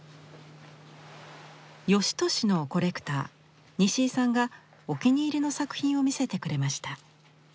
芳年のコレクター西井さんがお気に入りの作品を見せてくれました。